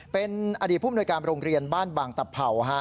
เป็นอดีตผู้มนวยการโรงเรียนบ้านบางตะเผ่า